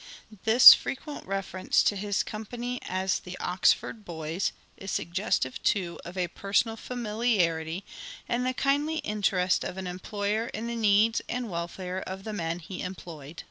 This frequent reference to his company as " The Oxford Boys," is suggestive, too, of a personal familiarity, and the kindly interest of an employer in the needs and welfare of the men he employed.